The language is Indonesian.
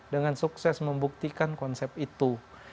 dengan sukses membuktikan konsep itu